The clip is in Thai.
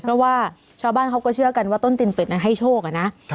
เพราะว่าชาวบ้านเขาก็เชื่อกันว่าต้นตีนเป็ดนั้นให้โชคนะ